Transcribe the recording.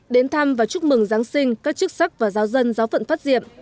đến thăm và chúc mừng giáng sinh các chức sắc và giáo dân giáo phận phát diệm